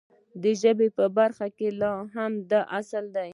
د ژبې په برخه کې هم همدا اصل دی.